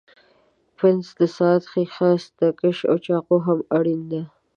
پنس، د ساعت ښيښه، ستکش او چاقو هم اړین دي.